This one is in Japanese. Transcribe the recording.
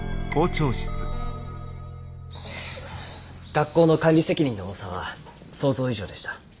学校の管理責任の重さは想像以上でした。